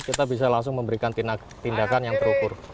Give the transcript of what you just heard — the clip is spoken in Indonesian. kita bisa langsung memberikan tindakan yang terukur